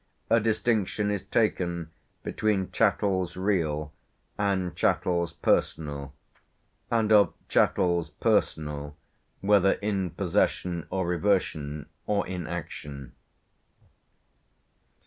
A distinction is taken between chattels real and chattels personal, and of chattels personal, whether in possession or reversion, or in action.